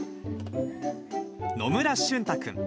野村俊太君。